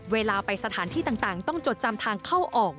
เวลาไปสถานที่ต่างต้องจดจำทางเข้าออก